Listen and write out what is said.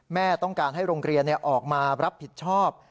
แม่ต้องการให้โรงเรียนออกมารับผิดชอบ